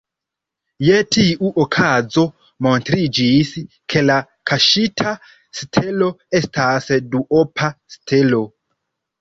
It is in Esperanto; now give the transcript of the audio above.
Je tiu okazo, montriĝis, ke la kaŝita stelo estas duopa stelo.